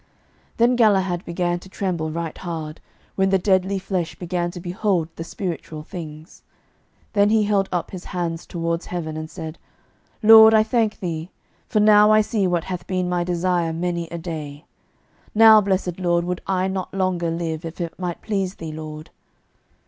Then Galahad began to tremble right hard, when the deadly flesh began to behold the spiritual things. Then he held up his hands towards heaven, and said, "Lord, I thank Thee, for now I see what hath been my desire many a day. Now, blessed Lord, would I not longer live, if it might please thee, Lord."